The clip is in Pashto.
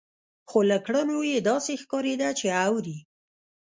خو له کړنو يې داسې ښکارېده چې اوري.